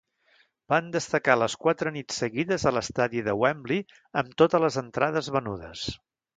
Van destacar les quatre nits seguides a l'estadi de Wembley amb totes les entrades venudes.